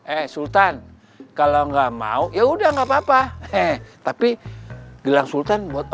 eh sultan kalau nggak mau ya udah nggak apa apa eh tapi gelang sultan buat